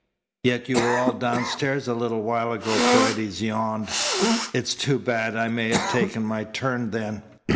"Yet you were all downstairs a little while ago," Paredes yawned. "It's too bad. I might have taken my turn then.